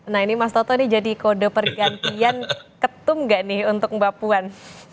nah ini mas toto ini jadi kode pergantian ketum gak nih untuk mbak puan